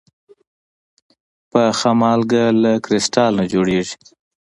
پخه مالګه له کريستال نه جوړېږي.